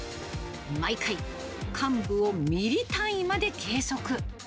毎回、かん部をミリ単位まで計測。